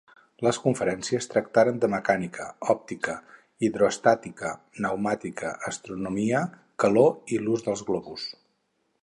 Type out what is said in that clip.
Les conferències tractaren de mecànica, òptica, hidroestàtica, pneumàtica, astronomia, calor i l'ús dels globus.